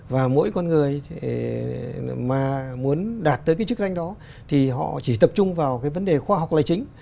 và mỗi con người mà muốn đạt tới cái chức danh đó thì họ chỉ tập trung vào cái vấn đề khoa học là chính